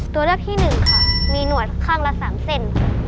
ตัวเลือกที่๑ค่ะมีหนวดข้างละ๓เส้น